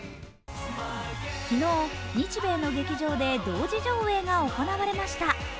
昨日、日米の劇場で同時上映が行われました。